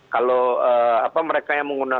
kalau mereka yang menggunakan